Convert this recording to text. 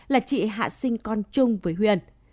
là chị hạ sinh con chung với huyền